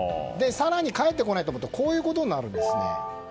更に帰ってこないとこういうことになるんです。